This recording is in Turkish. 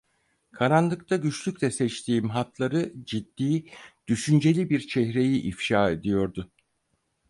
Karanlıkta güçlükle seçtiğim hatları, ciddi, düşünceli bir çehreyi ifşa ediyordu.